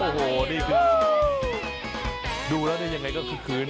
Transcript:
โอ้โหดูแล้วเนี่ยยังไงก็คืน